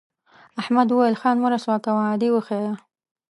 احمد وویل خان مه رسوا کوه عادي وښیه.